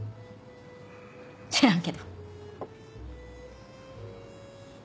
知らんけど。